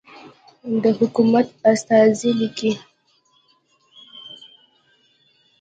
د حکومت استازی لیکي.